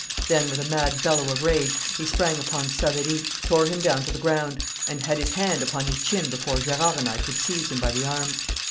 Then with a mad bellow of rage he sprang upon Savary, tore him down to the ground, and had his hand upon his chin before Gerard and I could seize him by the arms.